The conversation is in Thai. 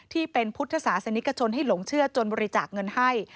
ที่เป็นพุทธศาสนิกชนให้หลงเชื่อจนบริจาคเงินให้